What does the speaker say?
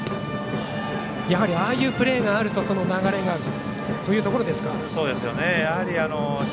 ああいうプレーがあるとその流れがというところですか。